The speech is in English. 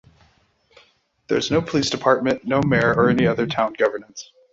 There is no police department, no Mayor or any other town governance.